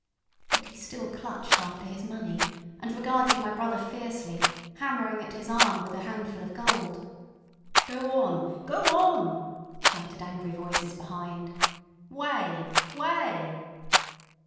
But he still clutched after his money, and regarded my brother fiercely, hammering at his arm with a handful of gold. "Go on! Go on!" shouted angry voices behind. "Way! Way!"